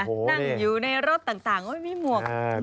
นั่งอยู่ในรถต่างไม่มีหมวก